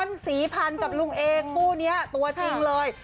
ศรีพันธ์กับลุงเองคู่นี้ตัวจริงเลย